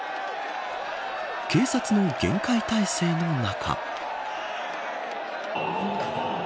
警察の厳戒態勢の中。